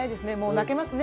泣けますね。